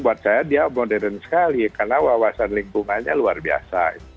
buat saya dia modern sekali karena wawasan lingkungannya luar biasa